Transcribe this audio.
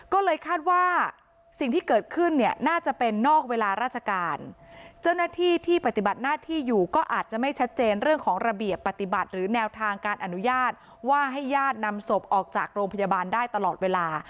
ก็เลยคาดว่าสิ่งที่เกิดขึ้นเนี่ยน่าจะเป็นนอกเวลาราชการเจ้าหน้าที่ที่ปฏิบัติหน้าที่อยู่ก็อาจจะไม่ชัดเจนเรื่องของระเบียบปฏิบัติหรือแนวทางการอนุญาตว่าให้ญาตินำศพออกจากโรงพยาบาลได้ตลอดเวลา